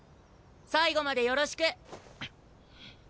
最後までよろしく！